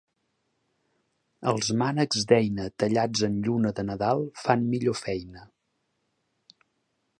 Els mànecs d'eina tallats en lluna de Nadal fan millor feina.